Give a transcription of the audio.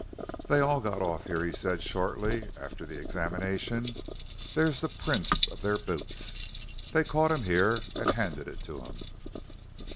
"They all got off here," he said shortly, after the examination; "there's the prints of their boots. They caught him here and handed it to him."